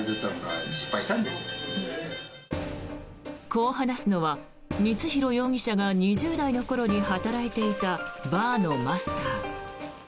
こう話すのは光弘容疑者が２０代の頃に働いていたバーのマスター。